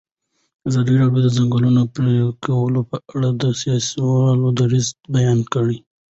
ازادي راډیو د د ځنګلونو پرېکول په اړه د سیاستوالو دریځ بیان کړی.